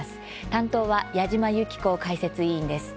担当は矢島ゆき子解説委員です。